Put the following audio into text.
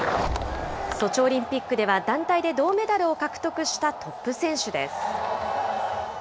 ソチオリンピックでは団体で銅メダルを獲得したトップ選手です。